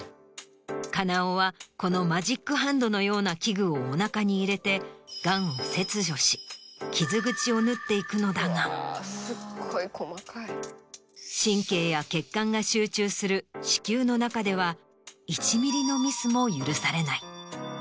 金尾はこのマジックハンドのような器具をお腹に入れてガンを切除し傷口を縫っていくのだが神経や血管が集中する子宮の中では１ミリのミスも許されない。